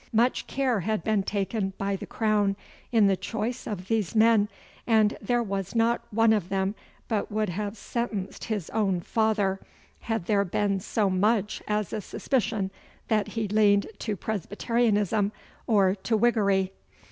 Much care had been taken by the Crown in the choice of these men, and there was not one of them but would have sentenced his own father had there been so much as a suspicion that he leaned to Presbyterianism or to Whiggery.